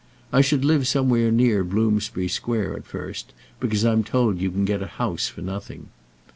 I should live somewhere near Bloomsbury Square at first, because I'm told you can get a house for nothing.